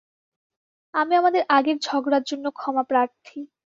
আমি আমাদের আগের ঝগড়ার জন্য ক্ষমাপ্রার্থী।